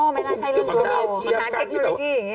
ไม่นะใช้เรื่องโดโมมีการเทคโนโลยีอย่างนี้